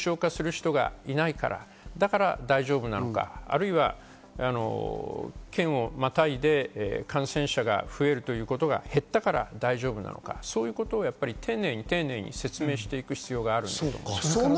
感染者が増えてもワクチンを打ってれば重症化する人はいないから、だから大丈夫なのか、あるいは県をまたいで感染者が増えるということが減ったから大丈夫なのか、そういうことを丁寧に説明していく必要があると思います。